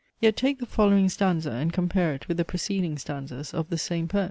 Yet take the following stanza and compare it with the preceding stanzas of the same poem.